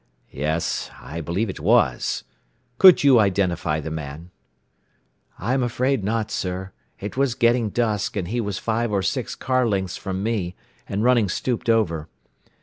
"Yes; I believe it was. Could you identify the man?" "I am afraid not, sir. It was getting dusk, and he was five or six car lengths from me, and running stooped over.